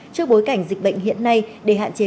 trước bối cảnh dịch bệnh hiện nay để hạn chế